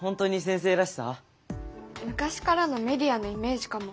昔からのメディアのイメージかも。